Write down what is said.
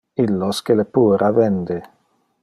Illos que le puera vende.